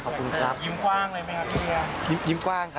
ขอบคุณครับยิ้มกว้างเลยไหมครับยิ้มกว้างครับ